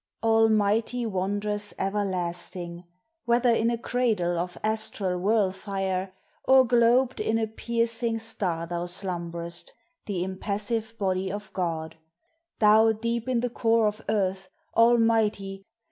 Almighty wondrous everlasting Whether in a cradle of astral whirlfire Or globed in a piercing star thou slumb'rest The impassive body of God: Thou deep i' the core of earth Almighty!